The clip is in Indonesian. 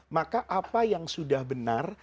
maka apa yang sudah benar